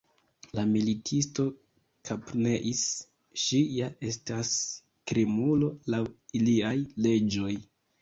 La militisto kapneis: “Ŝi ja estas krimulo laŭ iliaj leĝoj.